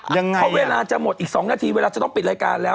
เพราะเวลาจะหมดอีก๒นาทีเวลาจะต้องปิดรายการแล้ว